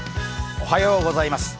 おはようございます。